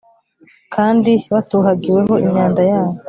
kandi batuhagiweho imyanda yabo